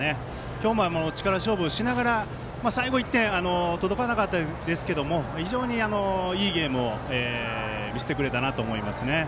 今日も、力勝負をしながら最後１点届かなかったですけど非常に、いいゲームを見せてくれたなと思いますね。